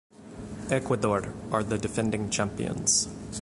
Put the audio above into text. Ecuador are the defending champions.